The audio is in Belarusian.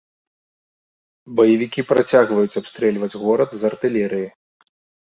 Баевікі працягваюць абстрэльваць горад з артылерыі.